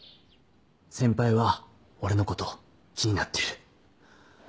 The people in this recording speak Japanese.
先輩は俺のこと気になってる。